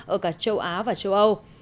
ở cả châu á và châu âu